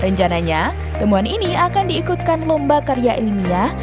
rencananya temuan ini akan diikutkan lomba karya ilmiah